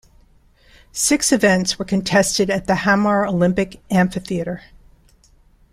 Six events were contested at the Hamar Olympic Amphitheatre.